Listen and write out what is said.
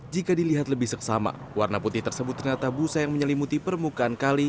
jika dilihat lebih seksama warna putih tersebut ternyata busa yang menyelimuti permukaan kali